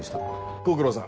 ご苦労さん